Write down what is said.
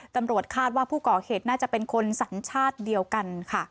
ตำรวจคาดว่าผู้ก่อเขตน่าจะเป็นคนศรรษฐ์เดียวกัน